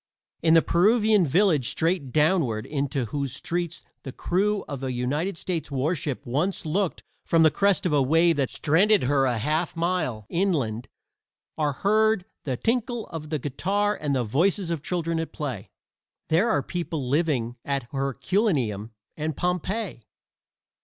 In the Peruvian village straight downward into whose streets the crew of a United States warship once looked from the crest of a wave that stranded her a half mile inland are heard the tinkle of the guitar and the voices of children at play. There are people living at Herculaneum and Pompeii.